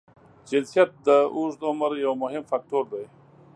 جنسیت د اوږد عمر یو مهم فاکټور دی.